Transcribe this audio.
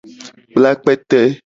Kpla kpete.